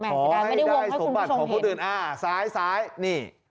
ขอให้ได้สมบัติของคนอื่นอ่าซ้ายนี่